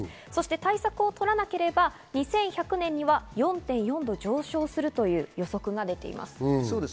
対策を取らなければ２１００年には４．４度上昇するという予測が出ています。